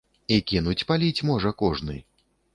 І кінуць паліць можа кожны.